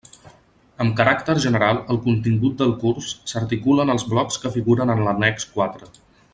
Amb caràcter general el contingut del curs s'articula en els blocs que figuren en l'annex quatre.